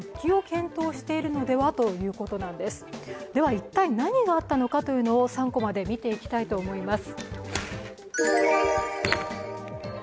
一体何があったのかというのを３コマで見ていきたいと思います。